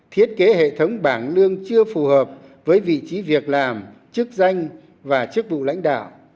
thiết kế hệ thống bảng lương chưa phù hợp với vị trí việc làm chức danh và chức vụ lãnh đạo